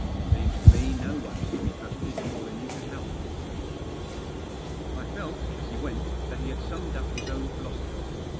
Seems to me no one's to be trusted more than you can help." I felt, as he went, that he had summed up his own philosophy.